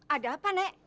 ada apa nek